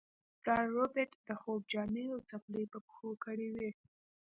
پلار ربیټ د خوب جامې او څپلۍ په پښو کړې وې